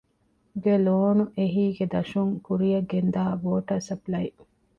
ގެ ލޯން އެހީގެ ދަށުން ކުރިއަށްގެންދާ ވޯޓަރ ސަޕްލައި،